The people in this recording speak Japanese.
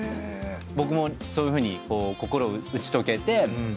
僕もそういうふうに心打ち解けて。